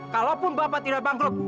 kalaupun bapak tidak bangkrut